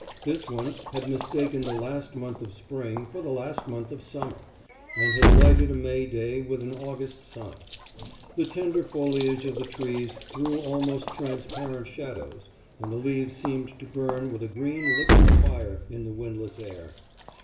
This one had mistaken the last month of spring for the last month of summer, and had lighted a May day with an August sun. The tender foliage of the trees threw almost transparent shadows, and the leaves seemed to burn with a green liquid fire in the windless air.